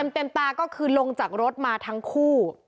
เต็มตาก็คือลงจากรถมาทั้งคู่